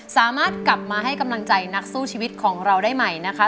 สามารถกลับมาให้กำลังใจนักสู้ชีวิตของเราได้ใหม่นะคะ